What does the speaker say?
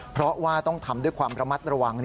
เพราะว่าต้องทำด้วยความระมัดระวัง